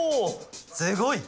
すごい！